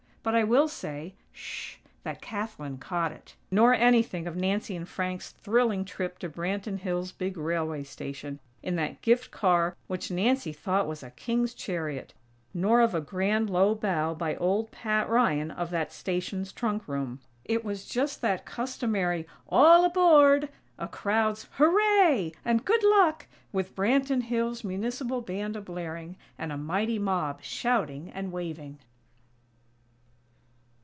(But I will say, shhhh! that Kathlyn caught it!); nor anything of Nancy and Frank's thrilling trip to Branton Hills' big railway station, in that gift car which Nancy thought was a king's chariot; nor of a grand, low bow by old Pat Ryan of that station's trunk room. It was just that customary "All aboard!!" a crowd's "Hooray!!" and "Good Luck!!", with Branton Hills' Municipal Band a blaring, and a mighty mob shouting and waving.